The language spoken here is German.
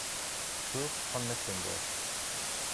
Fürst von Mecklenburg.